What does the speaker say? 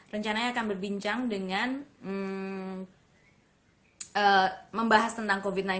rencananya akan berbincang dengan membahas tentang covid sembilan belas